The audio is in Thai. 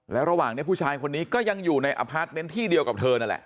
แล้วระหว่างนี้ผู้ชายคนนี้ก็ยังอยู่ในอพาร์ทเมนต์ที่เดียวกับเธอนั่นแหละ